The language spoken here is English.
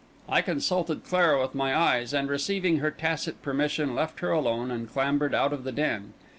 I consulted Clara with my eyes, and, receiving her tacit permission, left her alone, and clambered out of the den.